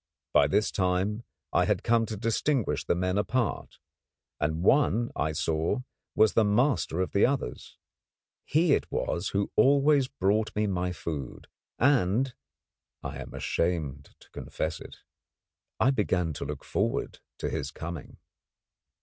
By this time I had come to distinguish the men apart, and one I saw was the master of the others. He it was who always brought me my food, and I am ashamed to confess it I began to look forward to his coming.